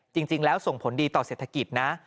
จริงแล้วส่งผลดีต่อเศรษฐกิจนะ